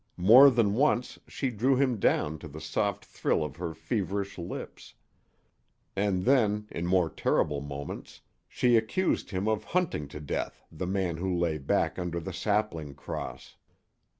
More than once she drew him down to the soft thrill of her feverish lips. And then, in more terrible moments, she accused him of hunting to death the man who lay back under the sapling cross.